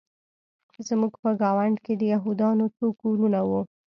زموږ په ګاونډ کې د یهودانو څو کورونه وو